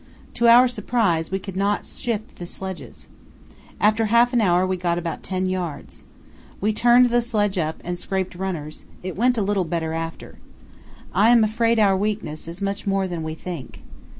To our surprise we could not shift the sledges. After half an hour we got about ten yards. We turned the sledge up and scraped runners; it went a little better after. I am afraid our weakness is much more than we think.